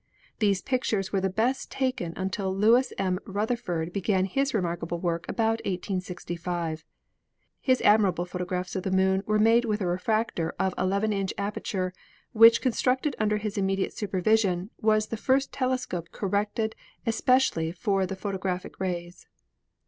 These pictures were the best taken until Lewis M. Rutherfurd began his remarkable work about 1865. His admirable photographs of the Moon were made with a refractor of 11 inch aperture, which, constructed under his immediate supervision, was the first telescope corrected especially for the photographic rays.